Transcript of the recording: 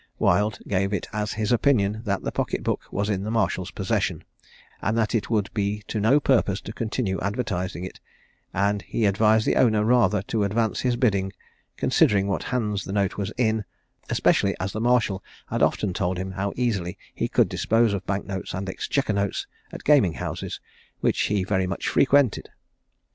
Wild gave it as his opinion, that the pocket book was in the marshal's possession, and that it would be to no purpose to continue advertising it; and he advised the owner rather to advance his bidding, considering what hands the note was in, especially as the marshal had often told him how easily he could dispose of bank notes and exchequer notes at gaming houses, which he very much frequented.